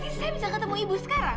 saya bisa ketemu ibu sekarang